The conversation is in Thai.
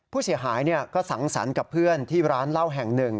ผู้เสียหายก็สังสรรค์กับเพื่อนที่ร้านเหล้าแห่งหนึ่ง